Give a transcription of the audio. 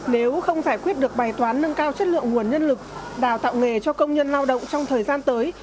nếu không giải quyết được bài toán nâng cao chất lượng nguồn nhân lực đào tạo nghề cho công nhân lao động trong thời gian tới